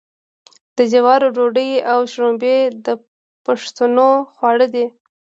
د جوارو ډوډۍ او شړومبې د پښتنو خواړه دي.